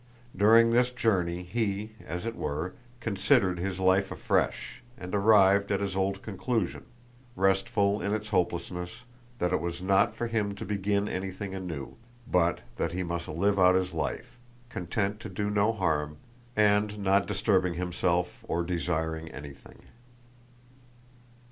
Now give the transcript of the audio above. During this journey he, as it were, considered his life afresh and arrived at his old conclusion, restful in its hopelessness: that it was not for him to begin anything anew—but that he must live out his life, content to do no harm, and not disturbing himself or desiring anything.